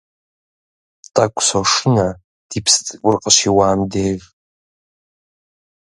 Тӏэкӏу сошынэ ди псы цӏыкӏур къыщиуам деж.